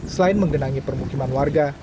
selain menggenangi permukiman warga